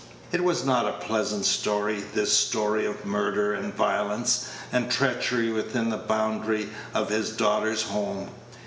It was not a pleasant story, this story of murder, and violence, and treachery within the boundary of his daughter's home.